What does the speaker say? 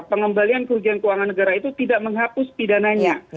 pengembalian kerugian keuangan negara itu tidak menghapus pidananya